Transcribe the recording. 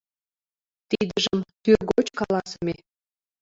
Тидыжым тӱргоч каласыме.